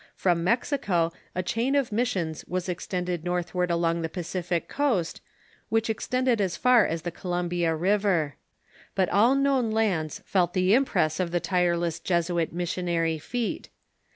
From Mexico a chain of missions was extended northward along the Pacific coast, which extended as far as the Columbia River. But all known lands felt the impress of the tireless Jesuit missionary feet.